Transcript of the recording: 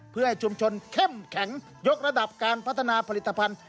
เพื่อให้ชุมชนเข้มแข็งยกระดับการพัฒนาผลิตภัณฑ์